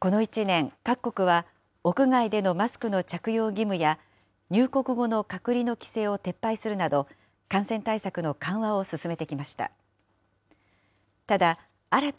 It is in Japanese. この１年、各国は屋外でのマスクの着用義務や入国後の隔離の規制を撤廃するなど、感染対策の緩和を進めてきました。